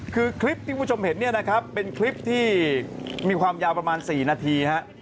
คือคลิปที่คุณผู้ชมเห็นเนี่ยนะครับเป็นคลิปที่มีความยาวประมาณ๔นาทีฮะ